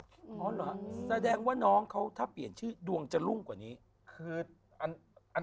อ๋อเหรอฮะแสดงว่าน้องเขาถ้าเปลี่ยนชื่อดวงจะรุ่งกว่านี้คืออัน